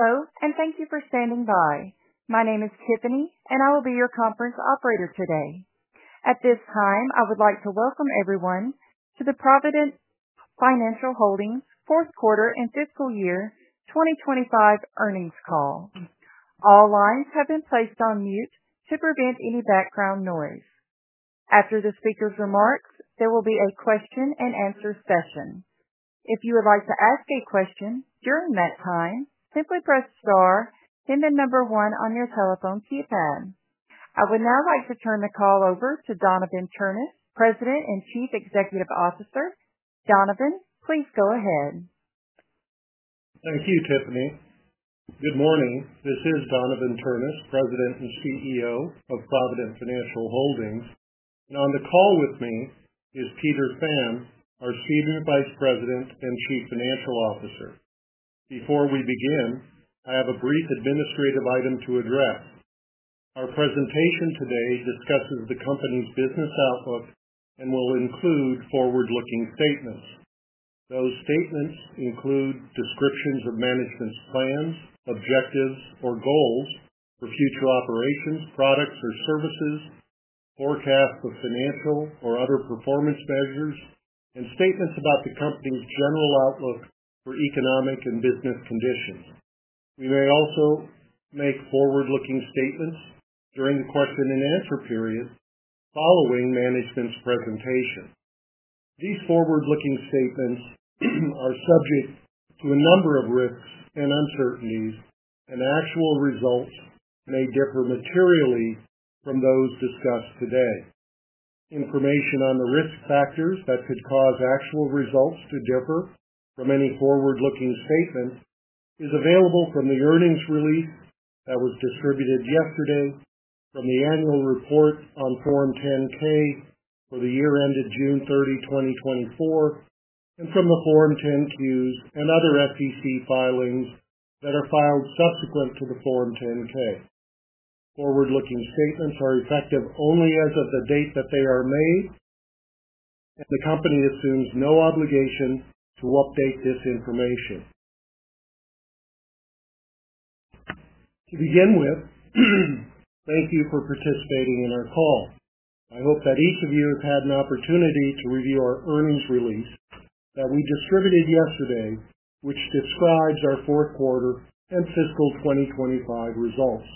Hello, and thank you for standing by. My name is Tiffany, and I will be your conference operator today. At this time, I would like to welcome everyone to the Provident Financial Holdings fourth quarter and fiscal year 2025 earnings call. All lines have been placed on mute to prevent any background noise. After the speaker's remarks, there will be a question and answer session. If you would like to ask a question during that time, simply press star and the number one on your telephone keypad. I would now like to turn the call over to Donavon Ternes, President and Chief Executive Officer. Donavon, please go ahead. Thank you, Tiffany. Good morning. This is Donavon Ternes, President and CEO of Provident Financial Holdings. On the call with me is Peter Pham, our Senior Vice President and Chief Financial Officer. Before we begin, I have a brief administrative item to address. Our presentation today discusses the company's business outlook and will include forward-looking statements. Those statements include descriptions of management's plan, objectives, or goals for future operations, products or services, forecasts of financial or other performance measures, and statements about the company's general outlook for economic and business conditions. We may also make forward-looking statements during the question and answer period following management's presentation. These forward-looking statements are subject to a number of risks and uncertainties, and actual results may differ materially from those discussed today. Information on the risk factors that could cause actual results to differ from any forward-looking statements is available from the earnings release that was distributed yesterday, from the annual report on Form 10-K for the year ended June 30, 2024, and from the Form 10-Q and other SEC filings that are filed subsequent to the Form 10-K. Forward-looking statements are effective only as of the date that they are made, and the company assumes no obligation to update this information. To begin with, thank you for participating in our call. I hope that each of you has had an opportunity to review our earnings release that we distributed yesterday, which describes our fourth quarter and fiscal 2025 results.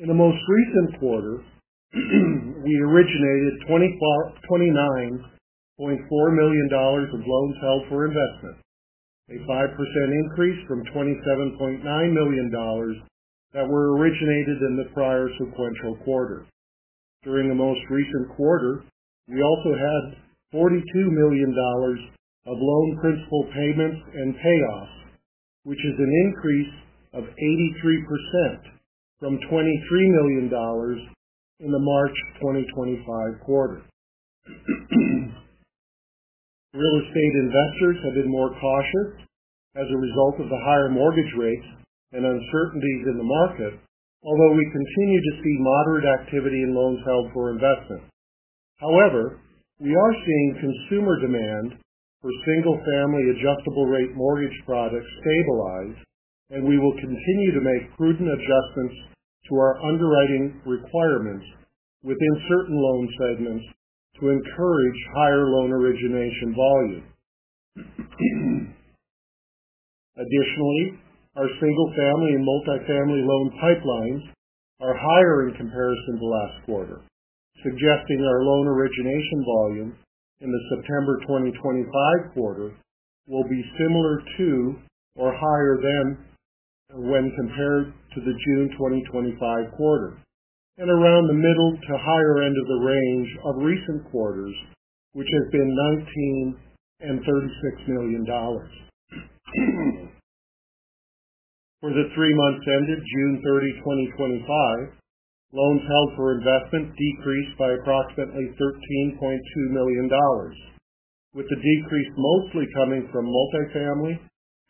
In the most recent quarter, we originated $29.4 million of loans held for investment, a 5% increase from $27.9 million that were originated in the prior sequential quarter. During the most recent quarter, we also had $42 million of loan principal payments and payoff, which is an increase of 83% from $23 million in the March 2025 quarter. Real estate investors have been more cautious as a result of the higher mortgage rates and uncertainties in the market, although we continue to see moderate activity in loans held for investment. However, we are seeing consumer demand for single-family adjustable-rate mortgage products stabilize, and we will continue to make prudent adjustments to our underwriting requirements within certain loan segments to encourage higher loan origination volumes. Additionally, our single-family and multi-family loan pipelines are higher in comparison to last quarter, suggesting our loan origination volumes in the September 2025 quarter will be similar to or higher than when compared to the June 2025 quarter and around the middle to higher end of the range of recent quarters, which has been $19 million and $36 million. For the three months ended June 30, 2025, loans held for investment decreased by approximately $13.2 million, with the decrease mostly coming from multi-family,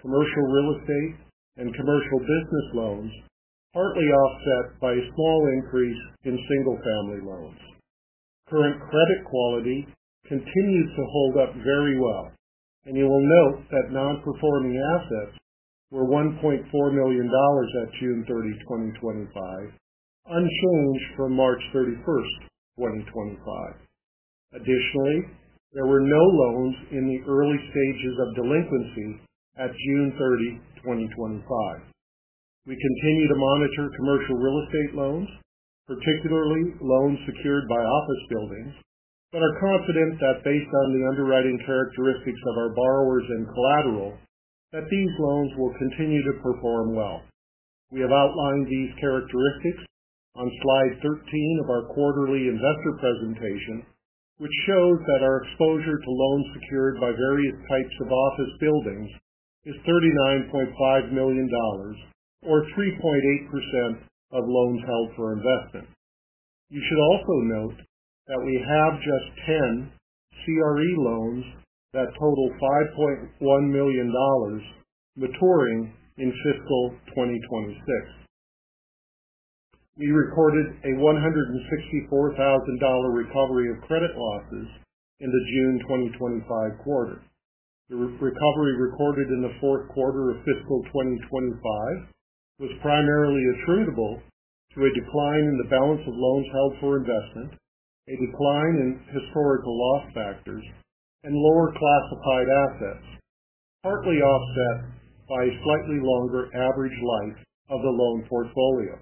commercial real estate, and commercial business loans, partly offset by a small increase in single-family loans. Current credit quality continues to hold up very well, and you will note that non-performing assets were $1.4 million at June 30, 2025, unchanged from March 31st, 2025. Additionally, there were no loans in the early stages of delinquencies at June 30, 2025. We continue to monitor commercial real estate loans, particularly loans secured by office buildings, but are confident that based on the underwriting characteristics of our borrowers and collateral, these loans will continue to perform well. We have outlined these characteristics on slide 13 of our quarterly investor presentation, which shows that our exposure to loans secured by various types of office buildings is $39.5 million, or 3.8% of loans held for investment. You should also note that we have just 10 CRE loans that total $5.1 million, maturing in fiscal 2026. We recorded a $164,000 recovery of credit losses in the June 2025 quarter. The recovery recorded in the fourth quarter of fiscal 2025 was primarily attributable to a decline in the balance of loans held for investment, a decline in historical loss factors, and lower classified assets, partly offset by a slightly longer average life of the loan portfolio.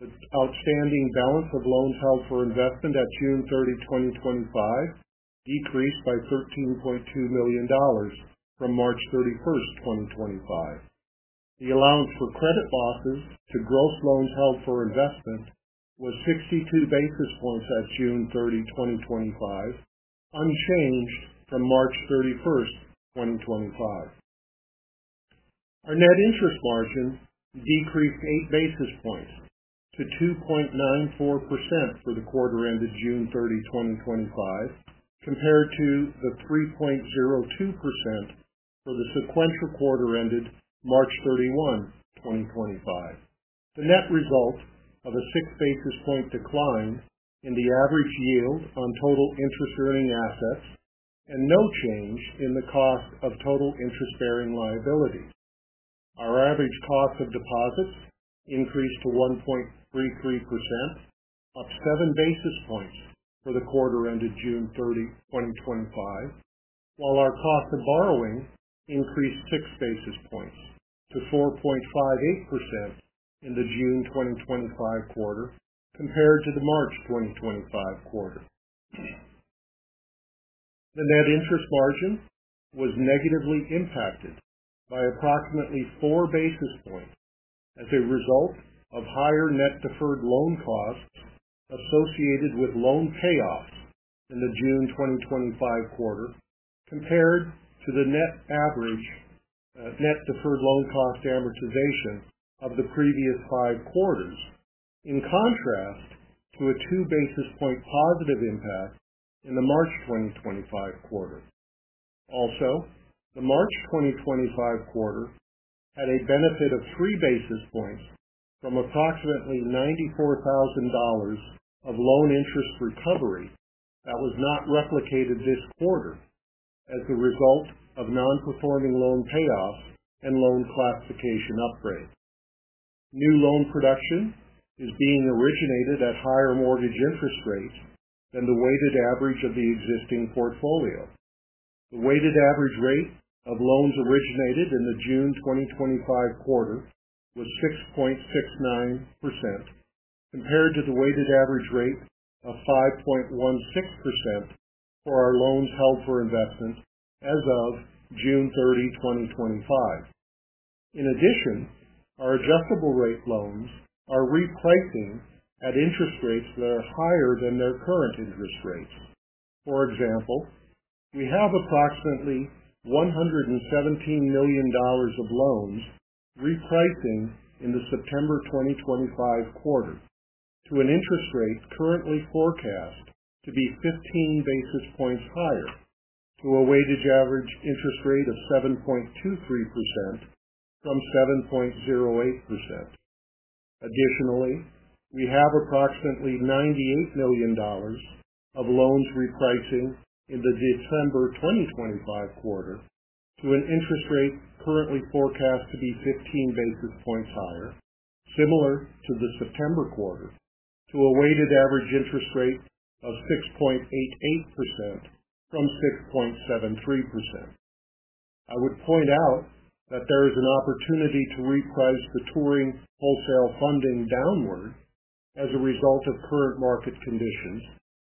The outstanding balance of loans held for investment at June 30, 2025, decreased by $13.2 million from March 31st, 2025. The allowance for credit losses to gross loans held for investment was 62 basis points at June 30, 2025, unchanged from March 31st, 2025. Our net interest margin decreased 8 basis points to 2.94% for the quarter ended June 30, 2025, compared to the 3.02% for the sequential quarter ended March 31, 2025. The net results of a six basis point decline in the average yield on total interest earning assets and no change in the cost of total interest earning liabilities. Our average cost of deposits increased to 1.33%, up seven basis points for the quarter ended June 30, 2025, while our cost of borrowing increased six basis points to 4.58% in the June 2025 quarter compared to the March 2025 quarter. The net interest margin was negatively impacted by approximately four basis points as a result of higher net deferred loan costs associated with loan payoff in the June 2025 quarter compared to the net average, net deferred loan cost amortization of the previous five quarters, in contrast to a two basis point positive impact in the March 2025 quarter. Also, the March 2025 quarter had a benefit of three basis points from approximately $94,000 of loan interest recovery that was not replicated this quarter as a result of non-performing loan payoff and loan classification upgrades. New loan production is being originated at higher mortgage interest rates than the weighted average of the existing portfolio. The weighted average rate of loans originated in the June 2025 quarter was 6.69% compared to the weighted average rate of 5.16% for our loans held for investment as of June 30, 2025. In addition, our adjustable-rate loans are re-pricing at interest rates that are higher than their current interest rates. For example, we have approximately $117 million of loans re-pricing in the September 2025 quarter to an interest rate currently forecast to be 15 basis points higher to a weighted average interest rate of 7.23% from 7.08%. Additionally, we have approximately $98 million of loans re-pricing in the December 2025 quarter to an interest rate currently forecast to be 15 basis points higher, similar to the September quarter, to a weighted average interest rate of 6.88% from 6.73%. I would point out that there is an opportunity to re-price the term wholesale funding downwards as a result of current market conditions,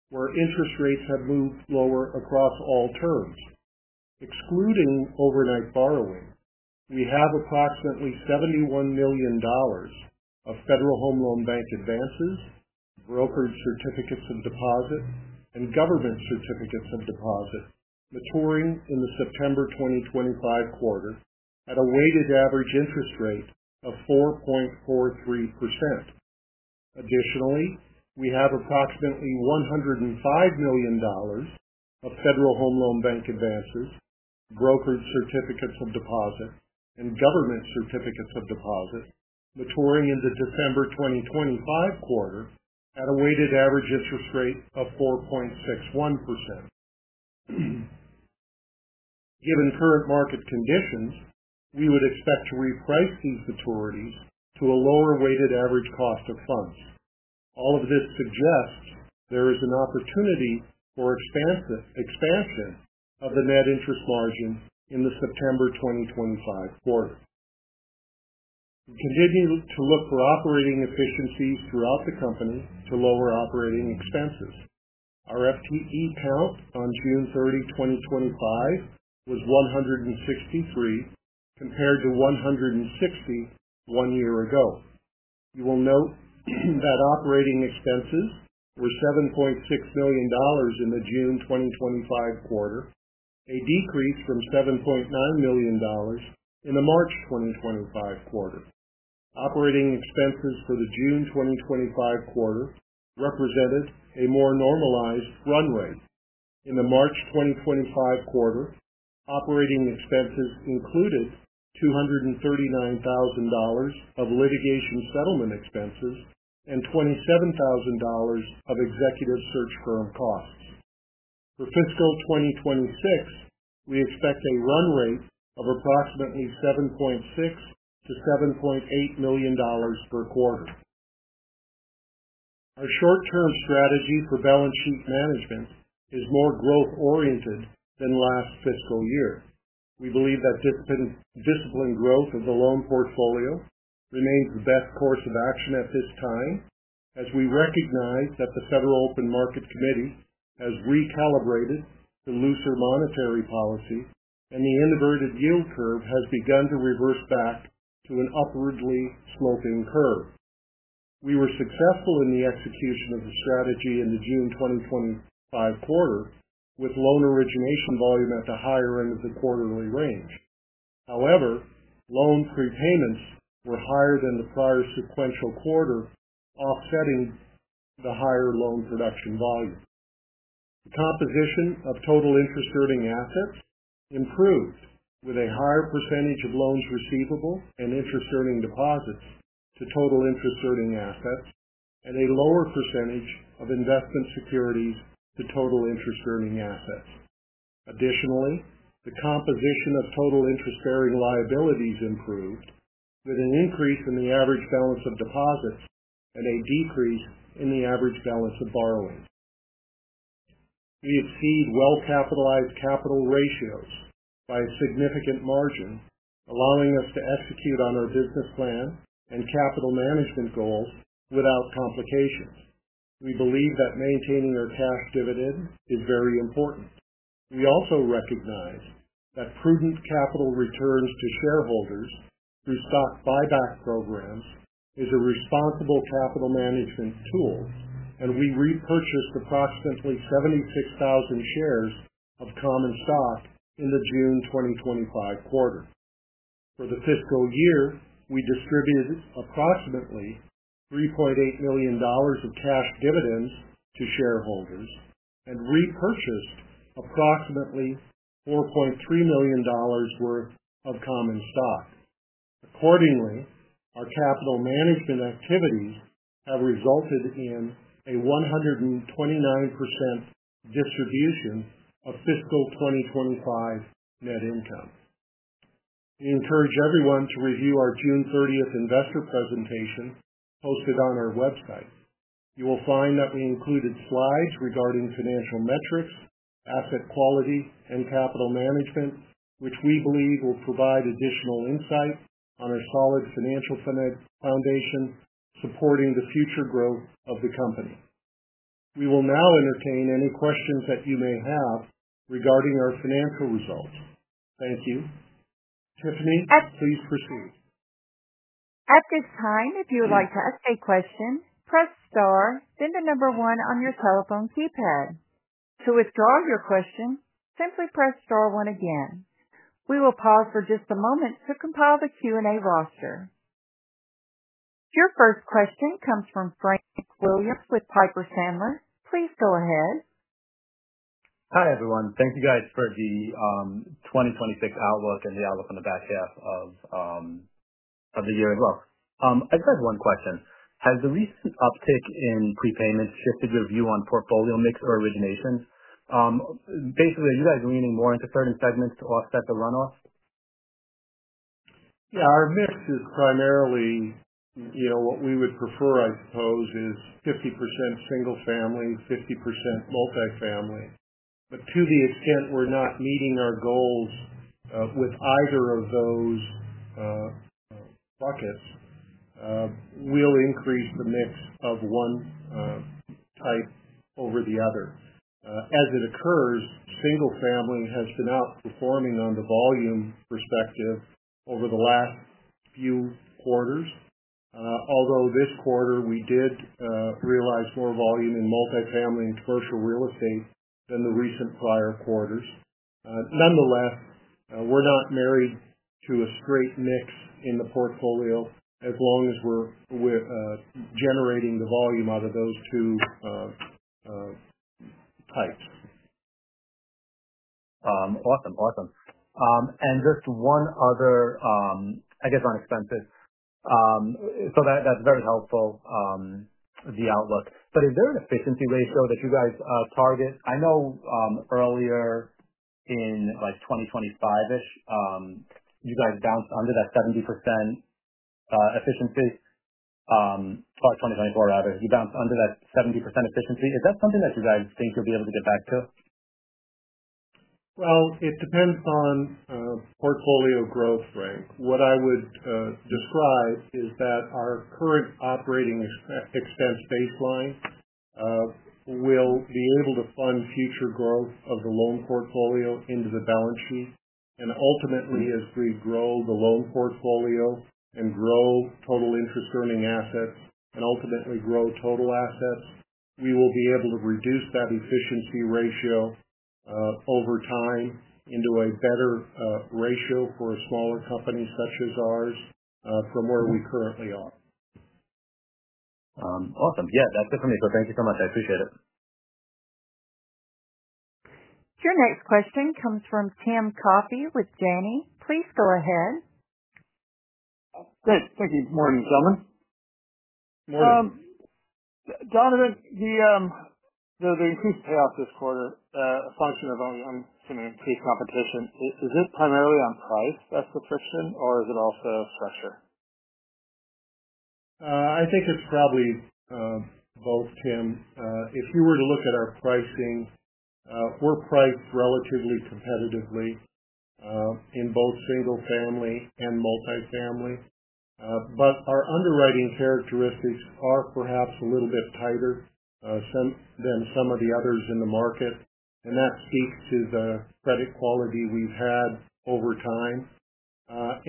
where interest rates have moved lower across all terms. Excluding overnight borrowing, we have approximately $71 million of Federal Home Loan Bank advances, brokered certificates of deposit, and government certificates of deposit maturing in the September 2025 quarter at a weighted average interest rate of 4.43%. Additionally, we have approximately $105 million of Federal Home Loan Bank advances, brokered certificates of deposit, and government certificates of deposit maturing in the December 2025 quarter at a weighted average interest rate of 4.61%. Given current market conditions, we would expect to re-price these maturities to a lower weighted average cost of funds. All of this suggests there is an opportunity for expansion of the net interest margin in the September 2025 quarter. We continue to look for operating efficiencies throughout the company to lower operating expenses. Our FTE count on June 30, 2025, was 163 compared to 160 one year ago. You will note that operating expenses were $7.6 million in the June 2025 quarter, a decrease from $7.9 million in the March 2025 quarter. Operating expenses for the June 2025 quarter represented a more normalized run rate. In the March 2025 quarter, operating expenses included $239,000 of litigation settlement expenses and $27,000 of executive search firm costs. For fiscal 2026, we expect a run rate of approximately $7.6 million-$7.8 million per quarter. Our short-term strategy for balance sheet management is more growth-oriented than last fiscal year. We believe that disciplined growth of the loan portfolio remains the best course of action at this time, as we recognize that the Federal Open Market Committee has recalibrated to looser monetary policies, and the inverted yield curve has begun to reverse back to an upwardly sloping curve. We were successful in the execution of the strategy in the June 2025 quarter, with loan origination volume at the higher end of the quarterly range. However, loan prepayments were higher than the prior sequential quarters, offsetting the higher loan production volume. The composition of total interest earning assets improves with a higher percentage of loan receivable and interest earning deposits to total interest earning assets and a lower percentage of investment security to total interest earning assets. Additionally, the composition of total interest earning liabilities improves with an increase in the average balance of deposits and a decrease in the average balance of borrowing. We exceed well-capitalized capital ratios by a significant margin, allowing us to execute on our business plan and capital management goals without complications. We believe that maintaining our cash dividend is very important. We also recognize that prudent capital returns to shareholders through stock buyback programs is a responsible capital management tool, and we repurchased approximately 76,000 shares of common stock in the June 2025 quarter. For the fiscal year, we distributed approximately $3.8 million of cash dividends to shareholders and repurchased approximately $4.3 million worth of common stock. Accordingly, our capital management activities have resulted in a 129% distribution of fiscal 2025 net income. We encourage everyone to review our June 30th investor presentation posted on our website. You will find that we included slides regarding financial metrics, asset quality, and capital management, which we believe will provide additional insights on our solid financial foundation, supporting the future growth of the company. We will now entertain any questions that you may have regarding our financial results. Thank you. Tiffany, please proceed. At this time, if you would like to ask a question, press star, then the number one on your telephone keypad. To withdraw your question, simply press star one again. We will pause for just a moment to compile the Q&A roster. Your first question comes from Frank Williams with Piper Sandler. Please go ahead. Hi everyone. Thank you for the 2026 outlook and the outlook on the back half of the year as well. I just have one question. Has the recent uptick in prepayments shifted your view on portfolio mix or origination? Basically, are you leaning more into certain segments to offset the runoff? Yeah, our mix is primarily, you know, what we would prefer, I suppose, is 50% single-family, 50% multi-family. To the extent we're not meeting our goals with either of those buckets, we'll increase the mix of one type over the other as it occurs. Single-family has been outperforming on the volume perspective over the last few quarters, although this quarter we did realize more volume in multi-family and commercial real estate than the recent prior quarters. Nonetheless, we're not married to a straight mix in the portfolio as long as we're generating the volume out of those two types. Awesome, awesome. Just one other, I guess on expenses. That's very helpful, the outlook. Is there an efficiency ratio, though, that you guys target? I know earlier in like 2025-ish, you guys bounced under that 70% efficiency. Sorry, 2024 rather, you bounced under that 70% efficiency. Is that something that you guys think you'll be able to get back to? It depends on portfolio growth, right? What I would describe is that our current operating expense baseline will be able to fund future growth of the loan portfolio into the balance sheet. Ultimately, as we grow the loan portfolio and grow total interest earning assets and ultimately grow total assets, we will be able to reduce that efficiency ratio over time into a better ratio for a smaller company such as ours from where we currently are. Awesome. Yeah, that's definitely, so thank you so much. I appreciate it. Your next question comes from Tim Coffey with Janney. Please go ahead. Good, thank you. Morning, gentlemen. Morning. Donavon, the increased payoff this quarter, a function of, I'm assuming case competition. Is it primarily on price that's the friction, or is it also pressure? I think it's probably both, Tim. If we were to look at our pricing, we're priced relatively competitively in both single-family and multi-family. Our underwriting characteristics are perhaps a little bit tighter than some of the others in the market. That speaks to the credit quality we've had over time. I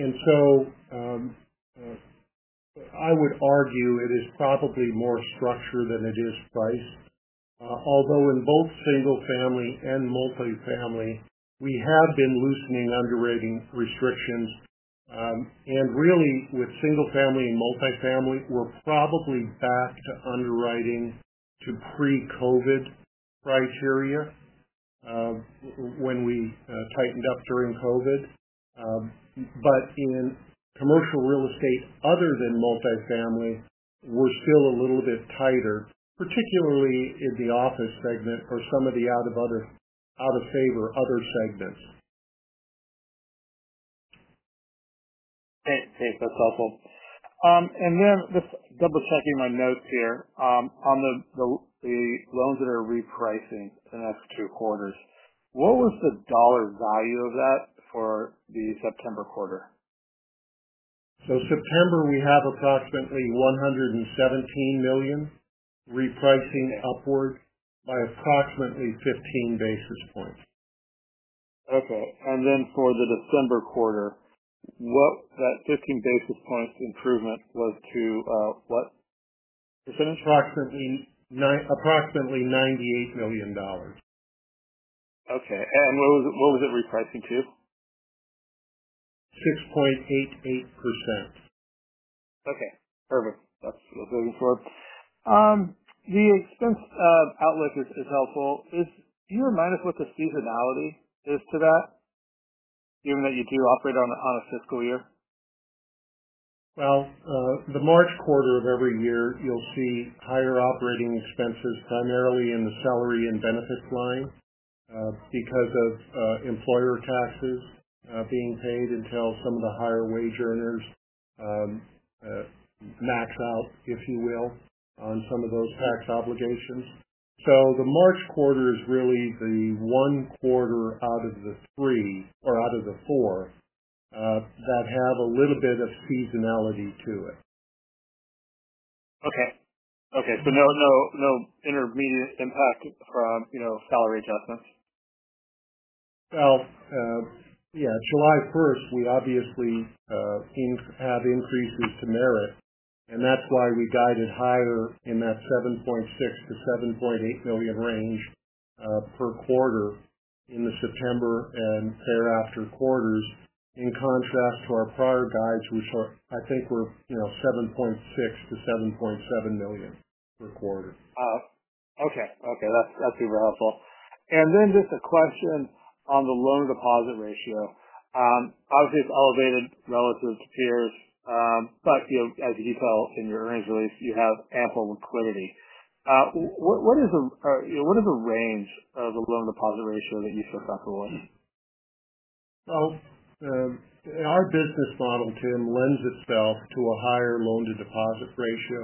would argue it is probably more structure than it is price. Although in both single-family and multi-family, we have been loosening underwriting restrictions. With single-family and multi-family, we're probably back to underwriting to pre-COVID criteria, when we tightened up during COVID. In commercial real estate, other than multi-family, we're still a little bit tighter, particularly in the office segment or some of the other out of favor segments. Thanks. That's helpful. Just double-checking my notes here, on the loans that are re-pricing in the next two quarters, what was the dollar value of that for the September quarter? In September, we have approximately $117 million re-pricing upward by approximately 15 basis points. Okay. For the December quarter, what that 15 basis point improvement was to, what? It's approximately $98 million. Okay, what was it re-pricing to? 6.88%. Okay. Perfect. That's a good report. The expense outlook is helpful. Can you remind us what the seasonality is to that, given that you do operate on a fiscal year? The March quarter of every year, you'll see higher operating expenses primarily in the salary and benefits line, because of employer taxes being paid until some of the higher wage earners max out, if you will, on some of those tax obligations. The March quarter is really the one quarter out of the four that have a little bit of seasonality to it. Okay. No intermediate impact from, you know, salary adjustments? July 1st, we obviously seem to have increases to merit. That's why we guided higher in that $7.6 million-$7.8 million range per quarter in the September and thereafter quarters, in contrast to our prior guides, which was, I think, $7.6 million-$7.7 million per quarter. Okay. That's super helpful. Just a question on the loan-to-deposit ratio. Obviously, it's elevated relative to peers, but as you can tell in your earnings release, you have ample liquidity. What is the range of the loan-to-deposit ratio that you prefer for loans? In our business model, Tim, lends itself to a higher loan-to-deposit ratio.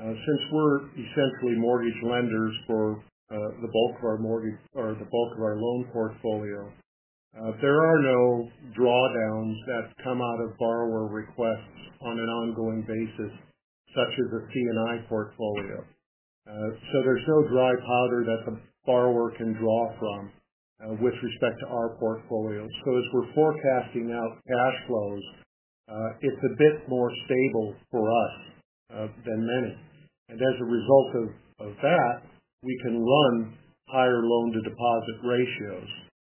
Since we're essentially mortgage lenders for the bulk of our mortgage or the bulk of our loan portfolio, there are no drawdowns that come out of borrower requests on an ongoing basis, such as a commercial and industrial portfolio. There's no dry powder that the borrower can draw from with respect to our portfolio. As we're forecasting out cash flow, it's a bit more stable for us than many. As a result of that, we can run higher loan-to-deposit ratios,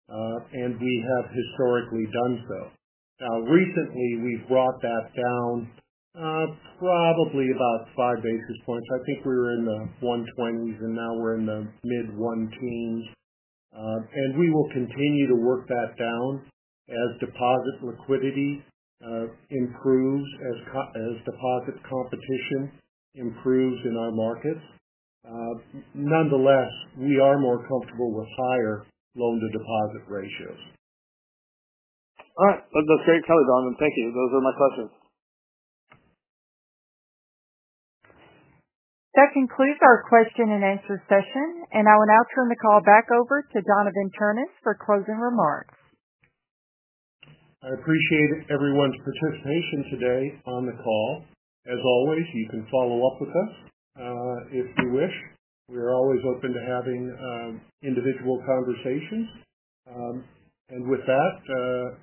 and we have historically done so. Recently, we've brought that down, probably about five basis points. I think we were in the 120s and now we're in the mid 120s. We will continue to work that down as deposit liquidity improves, as deposit competition improves in our market. Nonetheless, we are more comfortable with higher loan-to-deposit ratios. All right. That's great to know, Donavon. Thank you. Those are my questions. That concludes our question and answer session. I will now turn the call back over to Donavon Ternes for closing remarks. I appreciate everyone's participation today on the call. As always, you can follow up with us if you wish. We are always open to having individual conversations. With that,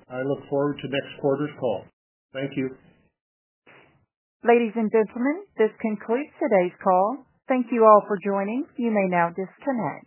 I look forward to next quarter's call. Thank you. Ladies and gentlemen, this concludes today's call. Thank you all for joining. You may now disconnect.